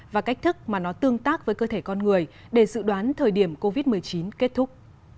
và cách thức mà nó tương tác với cơ thể con người để dự đoán thời điểm covid một mươi chín kết thúc